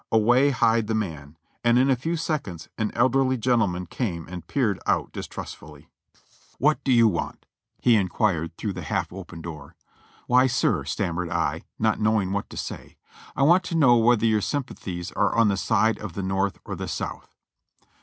Away hied the man, and in a few seconds an elderly gentleman came and peered out distrustfully. THE FIRST ESCAPE 465 "What do you want?" he inquired through tlie half opened door. "Why, sir," stammered I, not knowing wliat to say, "I want to know whether your sympathies are on the side of the North or the South."